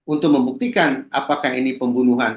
untuk membuktikan apakah ini pembunuhan